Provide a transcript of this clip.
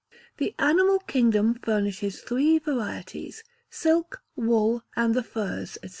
The animal kingdom furnishes three varieties silk, wool, and the furs, &c.